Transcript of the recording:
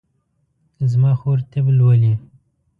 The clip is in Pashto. زما خور طب لولي